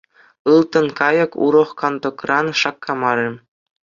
Ылтӑн кайӑк урӑх кантӑкран шаккамарӗ.